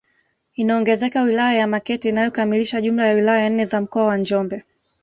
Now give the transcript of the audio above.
Inaongezeka wilaya ya Makete inayokamilisha jumla ya wilaya nne za mkoa wa Njombe